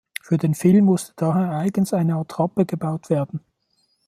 Für den Film musste daher eigens eine Attrappe gebaut werden.